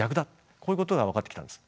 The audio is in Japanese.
こういうことが分かってきたんです。